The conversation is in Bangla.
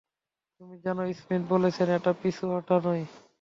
তুমি জানো, স্মিথ বলেছেন এটা পিছু হটা নয়।